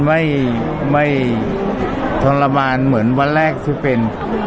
ไม่ไม่ทรมานเหมือนวันแรกที่เป็น